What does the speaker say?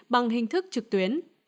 bằng hình thức trực tuyến